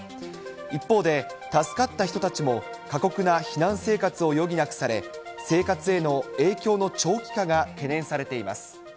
一方で助かった人たちも過酷な避難生活を余儀なくされ、生活への影響の長期化が懸念されています。